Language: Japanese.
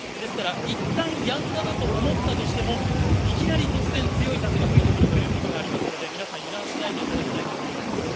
いったんやんだなと思ったとしても、いきなり突然、強い風が吹いてくるということがありますので皆さん油断しないでいただきたいと思います。